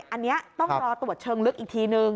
อันนี้ต้องรอตรวจเชิงลึกอีกทีนึง